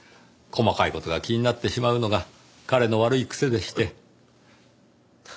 細かい事が気になってしまうのが彼の悪い癖でして。